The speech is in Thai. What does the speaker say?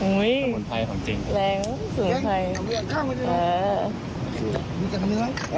อุ๊ยแรงสงสัย